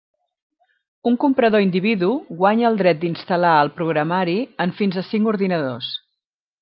Un comprador individu guanya el dret d'instal·lar el programari en fins a cinc ordinadors.